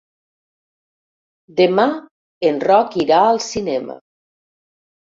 Demà en Roc irà al cinema.